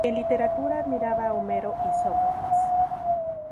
En literatura admiraba a Homero y Sófocles.